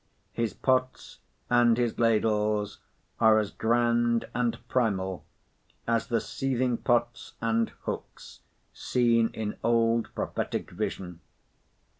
His pots and his ladles are as grand and primal as the seething pots and hooks seen in old prophetic vision.